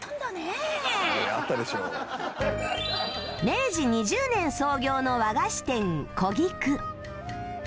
明治２０年創業の和菓子店こぎく